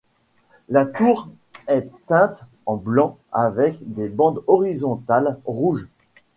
La tour est peinte en blanc avec des bandes horizontales rouges.